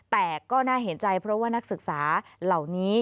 แต่ก็น่าเห็นใจเพราะว่านักศึกษาเหล่านี้